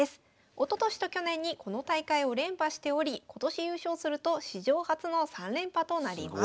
おととしと去年にこの大会を連覇しており今年優勝すると史上初の３連覇となります。